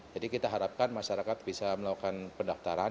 kita harapkan masyarakat bisa melakukan pendaftaran